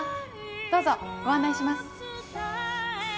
どうぞご案内します